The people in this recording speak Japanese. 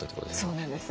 そうなんです。